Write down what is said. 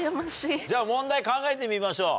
じゃあ問題考えてみましょう。